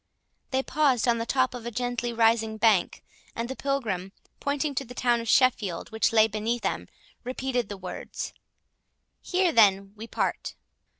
They paused on the top of a gently rising bank, and the Pilgrim, pointing to the town of Sheffield, which lay beneath them, repeated the words, "Here, then, we part."